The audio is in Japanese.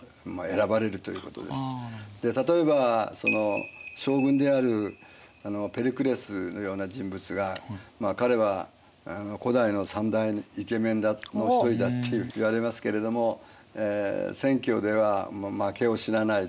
例えば将軍であるペリクレスのような人物が彼は古代の３大イケメンの一人だっていわれますけれども選挙では負けを知らないで。